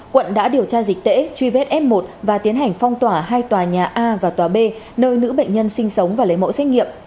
quận đã điều tra dịch tễ truy vết f một và tiến hành phong tỏa hai tòa nhà a và tòa b nơi nữ bệnh nhân sinh sống và lấy mẫu xét nghiệm